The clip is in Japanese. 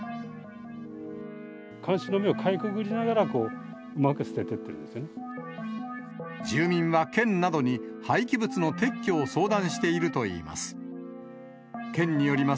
監視の目をかいくぐりながら、住民は県などに、廃棄物の撤去を相談しているといいます。